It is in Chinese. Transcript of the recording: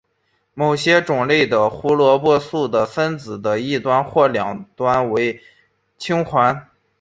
某些种类的胡萝卜素的分子的一端或两端为烃环。